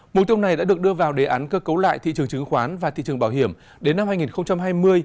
mục tiêu này đã được đưa vào đề án cơ cấu lại thị trường chứng khoán và thị trường bảo hiểm đến năm hai nghìn hai mươi